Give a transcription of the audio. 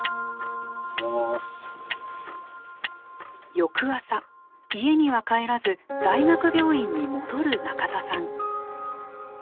翌朝家には帰らず大学病院に戻る仲田さん。